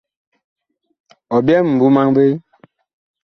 Ɔ byɛɛ mimbu maŋ vee ?